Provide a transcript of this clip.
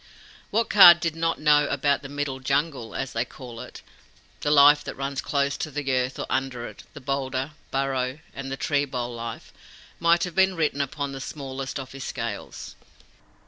What Kaa did not know about the Middle Jungle, as they call it, the life that runs close to the earth or under it, the boulder, burrow, and the tree bole life, might have been written upon the smallest of his scales.